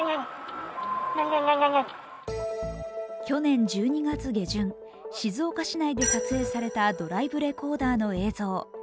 去年１２月下旬、静岡市内で撮影されたドライブレコーダーの映像。